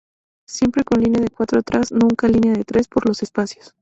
Siempre con línea de cuatro atrás, nunca línea de tres, por los espacios.